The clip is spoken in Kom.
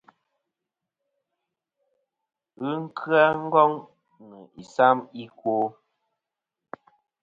Ghɨ kya Ngong nɨ isam i kwo.